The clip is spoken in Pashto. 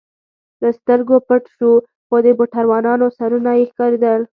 له سترګو پټ شو، خو د موټروانانو سرونه یې ښکارېدل.